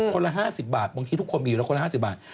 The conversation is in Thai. ละ๕๐บาทบางทีทุกคนมีอยู่แล้วคนละ๕๐บาท